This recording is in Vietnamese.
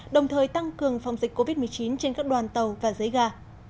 đồng thời tăng cường phòng dịch covid một mươi chín trên các đoàn tàu và giấy ga